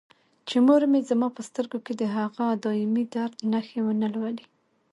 چې مور مې زما په سترګو کې د هغه دایمي درد نښې ونه لولي.